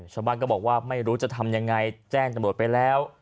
ชาวบ้านก็บอกว่าไม่รู้จะทำยังไงแจ้งตำรวจไปแล้ว